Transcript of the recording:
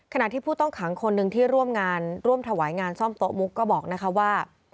ขณะที่ผู้ต้องขังคนหนึ่งที่ร่วมงานร่วมถวายงานซ่อมโต๊ะมุกก็บอกนะคะว่า